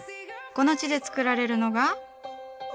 この地で造られるのが。